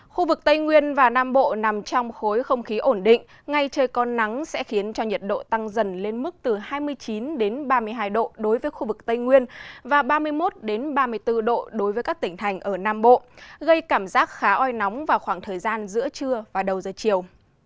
khu vực tây nguyên và nam bộ nằm trong khối không khí ổn định ngay trời có nắng sẽ khiến cho nhiệt độ tăng dần lên mức từ hai mươi chín ba mươi hai độ đối với khu vực tây nguyên và ba mươi một ba mươi bốn độ đối với các tỉnh thành ở nam bộ gây cảm giác khá oi nóng vào khoảng thời gian giữa trưa và đầu giờ chiều